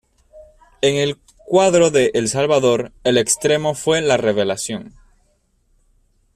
En el cuadro de El Salvador, el extremo fue la revelación.